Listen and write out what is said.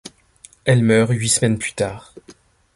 Elle meurt huit semaines plus tard.